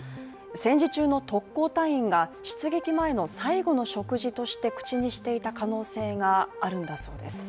戦時中の特攻隊員が出撃前の最後の食事として口にしていた可能性があるんだそうです。